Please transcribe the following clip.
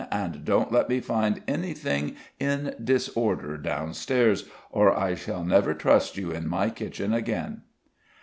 And don't let me find anything in disorder down stairs, or I shall never trust you in my kitchen again."